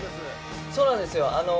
そうなんですよ。